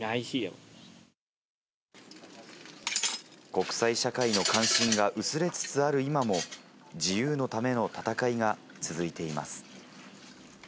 国際社会の関心が薄れつつある今も、自由のための戦いが続いています。